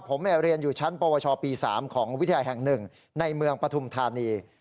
ผมเนี้ยเรียนอยู่ชั้นปวชปีสามของวิทยาแห่งหนึ่งในเมืองปทุมธานี